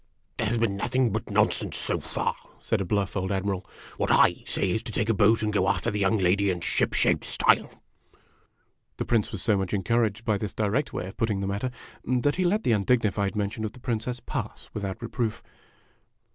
" There has been nothing but nonsense, so far," said a bluff old Admiral. " What / say is to take a boat and go after the young lady in shipshape style !" The Prince was so much encouraged by this direct way of put ting the matter that he let the undignified mention of the Princess pass without reproof.